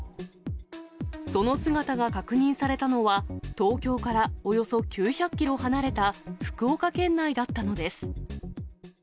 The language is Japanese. その姿が確認されたのは、東京からおよそ９００キロ離れた福岡県内だったのです。